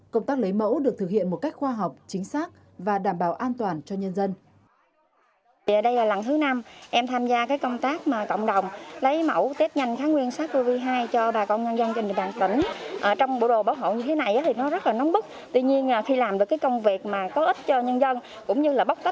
công tác lấy mẫu được thực hiện một cách khoa học chính xác và đảm bảo an toàn cho nhân dân